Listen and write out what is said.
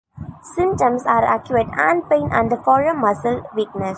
Symptoms are acute hand pain and forearm muscle weakness.